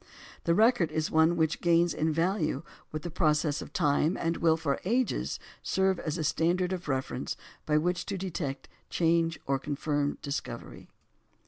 The record is one which gains in value with the process of time, and will for ages serve as a standard of reference by which to detect change or confirm discovery.